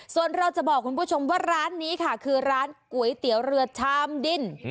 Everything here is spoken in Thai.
ส่วนเราจะบอกคุณผู้ชมว่าร้านนี้ค่ะคือร้านก๋วยเตี๋ยวเรือชามดิน